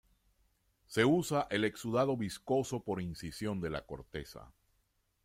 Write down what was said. Se usa el exudado viscoso por incisión de la corteza.